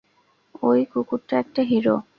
ওই কুকুরটা একটা হিরো!